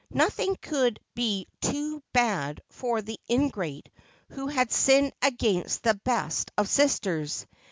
Nothing could be too bad for the ingrate who had sinned against the best of sisters.